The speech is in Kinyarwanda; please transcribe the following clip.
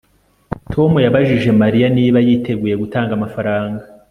tom yabajije mariya niba yiteguye gutanga amafaranga